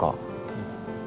うん。